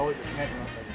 この辺り。